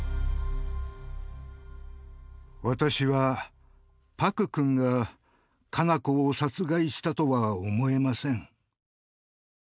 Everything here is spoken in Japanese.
「私は、朴君が佳菜子を殺害したとは思えません。